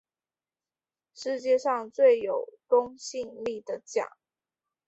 世界上最有公信力的奖